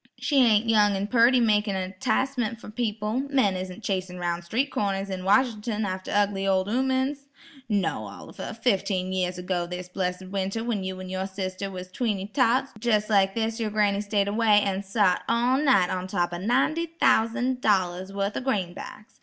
She ain't young an' purty makin' a 'ticemen' fer people; men isn't chasin 'roun' street corners in Wash'nt'n after ugly ol' 'oomen's. No Oliver; fifteen year ago this blessid winter when you and your sister was tweenty tots, jes' like this yer granny stayed away, an' sot all night on top o' ninety thousan' dollars wurth o' greenbacks.